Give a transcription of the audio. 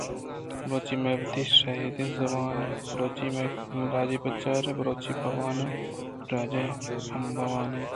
بلوچی مئے وتی شھدیں زُبان اِنت ءُ بلوچی مئے راجی پجّار اِنت۔ بلوچی وت بہ وان اِت ءُ راج ءَ ھم بہ وانین اِت۔